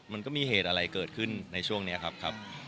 มันก็มีเหตุอะไรเกิดขึ้นในช่วงนี้ครับ